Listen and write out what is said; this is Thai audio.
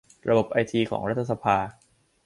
ระบบไอทีของรัฐสภา